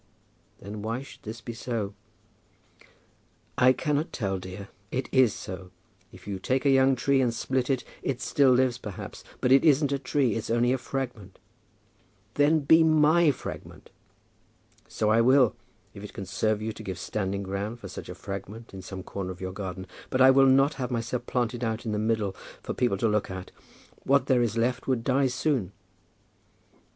"Then why should this be so?" "I cannot tell, dear. It is so. If you take a young tree and split it, it still lives, perhaps. But it isn't a tree. It is only a fragment." "Then be my fragment." "So I will, if it can serve you to give standing ground to such a fragment in some corner of your garden. But I will not have myself planted out in the middle, for people to look at. What there is left would die soon."